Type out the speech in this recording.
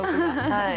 はい。